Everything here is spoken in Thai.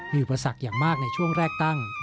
มีอุปสรรคอย่างมากในช่วงแรกตั้ง